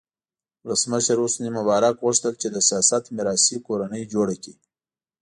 ولسمشر حسن مبارک غوښتل چې د سیاست میراثي کورنۍ جوړه کړي.